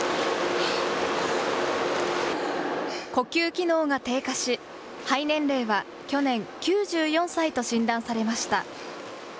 呼吸機能が低下し、肺年齢は去年、９４歳と診断されました。